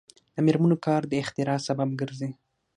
د میرمنو کار د اختراع سبب ګرځي.